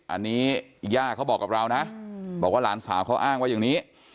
อันนี้ย่าเขาบอกกับเรานะบอกว่าหลานสาวเขาอ้างว่าอย่างนี้